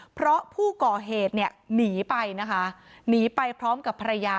เพราะผู้ก่อเหตุเนี่ยหนีไปนะคะหนีไปพร้อมกับภรรยา